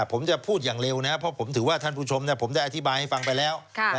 ผมจะพูดอย่างเร็วนะครับเพราะผมถือว่าท่านผู้ชมผมได้อธิบายให้ฟังไปแล้ว